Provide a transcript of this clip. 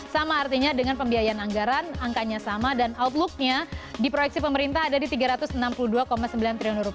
sama artinya dengan pembiayaan anggaran angkanya sama dan outlooknya di proyeksi pemerintah ada di rp tiga ratus enam puluh dua sembilan triliun